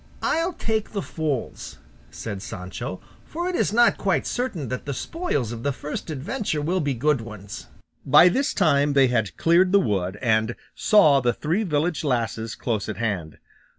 "I'll take the foals," said Sancho; "for it is not quite certain that the spoils of the first adventure will be good ones." By this time they had cleared the wood, and saw the three village lasses close at hand.